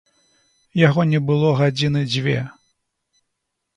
Яго не было гадзіны дзве.